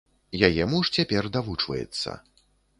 Яе муж цяпер давучваецца.